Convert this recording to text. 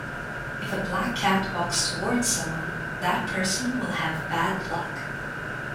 If a black cat walks towards someone, that person will have bad luck.